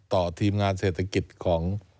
ทีมงานเศรษฐกิจของ